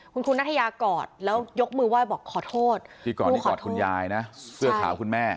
คุณครูนัทยากอดแล้วยกมือไหว้บอกขอโทษที่ก่อนที่กอดคุณยายนะเสื้อขาวคุณแม่